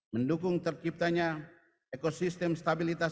mendukung terciptanya ekosistem stabilitas